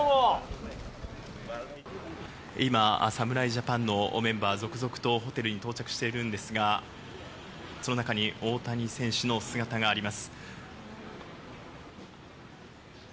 今、侍ジャパンのメンバー、続々とホテルに到着しているんですが、その中に大谷選手の姿があります。